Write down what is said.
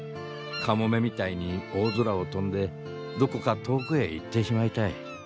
カモメみたいに大空を飛んでどこか遠くへ行ってしまいたい。